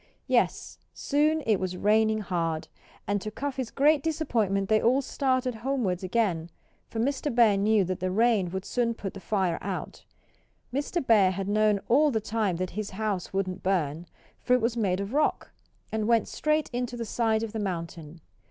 Yes, soon it was raining hard. And to Cuffy's great disappointment they all started homewards again, for Mr. Bear knew that the rain would soon put the fire out. Mr. Bear had known all the time that his house wouldn't burn; for it was made of rock, and went straight into the side of the mountain.